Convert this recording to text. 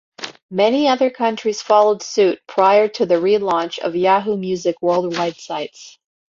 Many other countries followed suit prior to the relaunch of Yahoo Music worldwide sites.